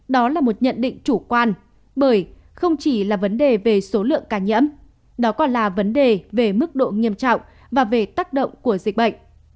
đó là một nhận định chủ quan bởi không chỉ là vấn đề về số lượng ca nhiễm đó còn là vấn đề về mức độ nghiêm trọng và về tác động của dịch bệnh